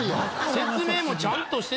説明もちゃんとしてくれたで。